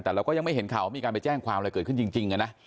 แต่เราก็ยังไม่เห็นข่าวว่ามีการไปแจ้งความอะไรเกิดขึ้นจริงนะ